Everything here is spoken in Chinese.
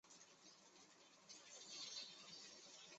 赵南星作墓志铭。